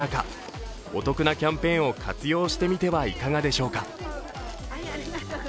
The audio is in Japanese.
値上げラッシュが続く中お得なキャンペーンを活用してみてはいかがでしょうか。